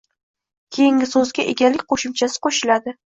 keyingi soʻzga egalik qoʻshimchasi qoʻshiladi